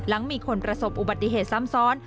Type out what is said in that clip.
หลังมีคนประสบอุบัติเหตุซ้ำซ้อน